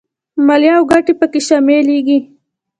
مالیه او ګټې په کې شاملېږي